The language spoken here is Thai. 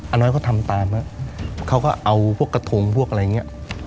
น้อยเขาทำตามเขาก็เอาพวกกระทงพวกอะไรอย่างนี้